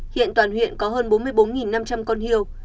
hiện toàn huyện có hơn bốn mươi bốn năm trăm linh con hiêu